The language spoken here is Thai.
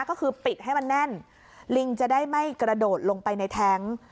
ก็คือปิดให้มันแน่นลิงจะได้ไม่กระโดดลงไปในแท้ง